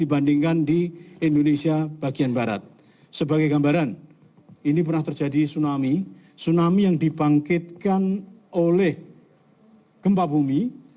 bagian barat sebagai gambaran ini pernah terjadi tsunami tsunami yang dibangkitkan oleh gempa bumi